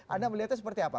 anda melihatnya seperti apa